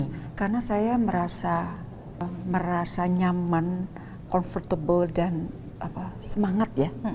harus karena saya merasa nyaman comfortable dan semangat ya